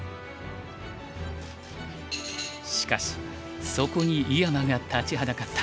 しかしそこに井山が立ちはだかった。